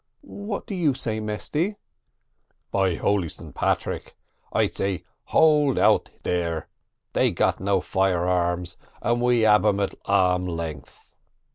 "What do you say, Mesty?" "By holy St. Patrig I say hold out here they got no fire arms and we ab um at arm length."